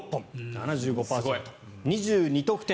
７５％、２２得点。